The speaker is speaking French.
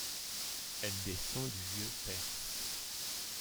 Elle descend du vieux perse.